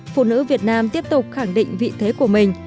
phụ nữ việt nam tiếp tục khẳng định vị thế của mình